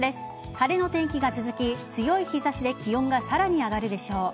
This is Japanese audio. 晴れの天気が続き強い日差しで気温がさらに上がるでしょう。